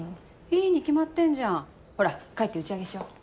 いいに決まってんじゃんほら帰って打ち上げしよ。